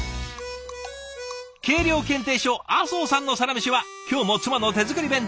計量検定所麻生さんのサラメシは今日も「妻の手作り弁当」。